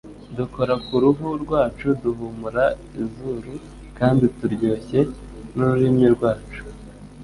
dukora ku ruhu rwacu duhumura izuru kandi turyoshye n'ururimi rwacu